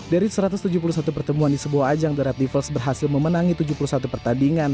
dari satu ratus tujuh puluh satu pertemuan di sebuah ajang the red devils berhasil memenangi tujuh puluh satu pertandingan